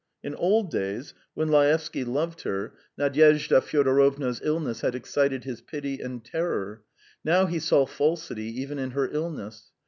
In old days, when Laevsky loved her, Nadyezhda Fyodorovna's illness had excited his pity and terror; now he saw falsity even in her illness.